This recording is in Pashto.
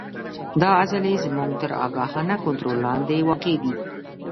دا عضلې زموږ تر آګاهانه کنترول لاندې واقع دي.